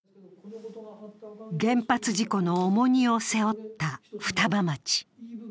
原発事故の重荷を背負った双葉町。